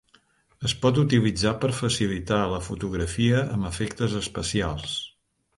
Es pot utilitzar per facilitar la fotografia amb efectes especials.